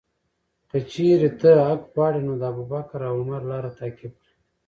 که چیرې ته حق غواړې، نو د ابوبکر او عمر لاره تعقیب کړه.